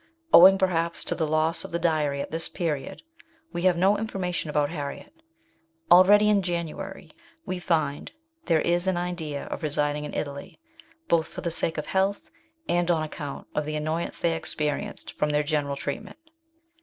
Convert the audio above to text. Owing perhaps to the loss of the diary at this period, we have no information about Harriet. Already in January, we find there is an idea of residing in Italy, both for the sake of health, and on account of the annoyance they ex perienced from their general treatment.